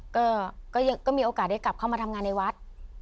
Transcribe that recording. ก็มีโอกาสได้กลับเข้ามาทำงานในวัด